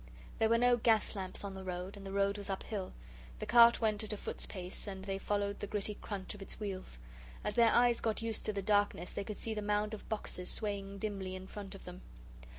There were no gas lamps on the road, and the road was uphill. The cart went at a foot's pace, and they followed the gritty crunch of its wheels. As their eyes got used to the darkness, they could see the mound of boxes swaying dimly in front of them.